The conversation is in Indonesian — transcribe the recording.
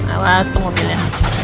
awas itu mobilnya